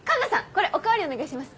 これお代わりお願いします。